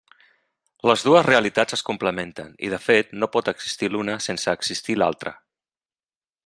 Les dues realitats es complementen i de fet no pot existir l'una sense existir l'altra.